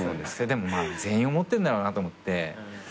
でもまあ全員思ってんだろうなと思って。